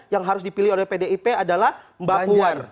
yang harus dipilih oleh pdip adalah mbak puan